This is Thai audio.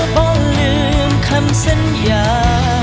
บอกลืมคำสัญญา